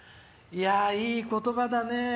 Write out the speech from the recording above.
いい言葉だね。